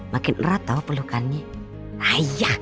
makin erat tau pelukannya